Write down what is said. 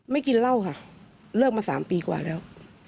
กินเหล้าค่ะเลิกมา๓ปีกว่าแล้ว